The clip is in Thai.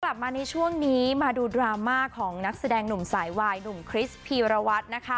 กลับมาในช่วงนี้มาดูดราม่าของนักแสดงหนุ่มสายวายหนุ่มคริสพีรวัตรนะคะ